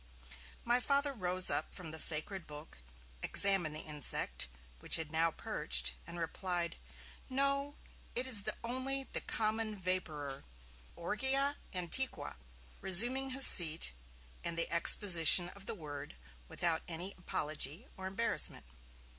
My Father rose up from the sacred book, examined the insect, which had now perched, and replied: 'No! it is only the common Vapourer, "Orgyia antiqua"!', resuming his seat, and the exposition of the Word, without any apology or embarrassment.